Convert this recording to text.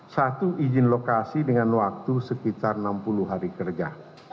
satu izin lokasi dengan waktu sekitar enam puluh hari kerja